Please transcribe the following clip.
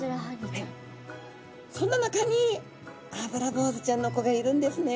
そんな中にアブラボウズちゃんの子がいるんですね。